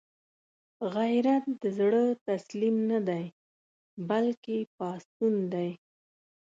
غیرت د زړه تسلیم نه دی، بلکې پاڅون دی